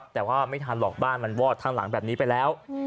แต่ว่าไม่ทันหรอกบ้านมันวอดทั้งหลังแบบนี้ไปแล้ว